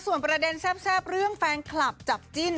ส่วนประเด็นแซ่บเรื่องแฟนคลับจับจิ้น